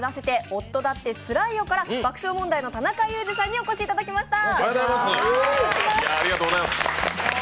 夫だってツライよ！！」から爆笑問題の田中裕二さんにお越しいただきました。